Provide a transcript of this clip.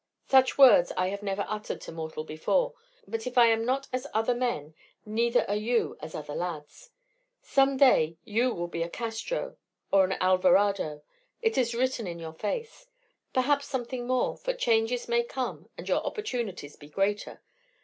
Such words I have never uttered to mortal before; but if I am not as other men, neither are you as other lads. Some day you will be a Castro or an Alvarado; it is written in your face. Perhaps something more, for changes may come and your opportunities be greater.